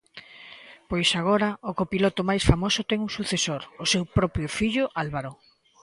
Pois agora o copiloto máis famoso ten un sucesor, o seu propio fillo Álvaro.